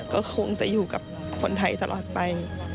ก็คงจะอยู่กับคนไทยตลอดไป